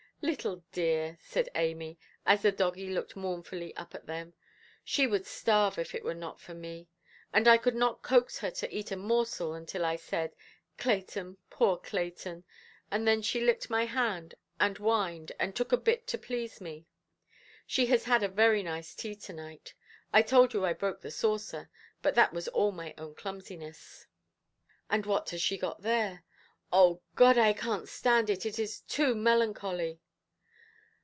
"Little dear", said Amy, as the doggie looked mournfully up at them, "she would starve if it were not for me. And I could not coax her to eat a morsel until I said, 'Clayton, poor Clayton!' And then she licked my hand and whined, and took a bit to please me. She has had a very nice tea to–night; I told you I broke the saucer, but that was all my own clumsiness". "And what has she got there? Oh God! I canʼt stand it; it is too melancholy".